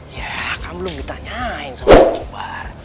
ya kan belum ditanyain sama bang kubar